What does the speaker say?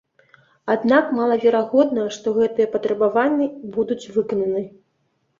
Аднак малаверагодна, што гэтыя патрабаванні будуць выкананы.